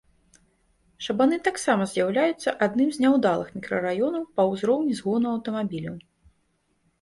Шабаны таксама з'яўляюцца адным з няўдалых мікрараёнаў па ўзроўні згону аўтамабіляў.